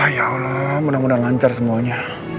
ya allah mudah mudahan lancar semuanya